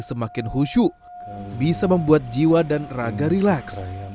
semakin husu bisa membuat jiwa dan raga rileks